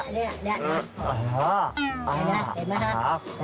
นี่เห็นไหมครับ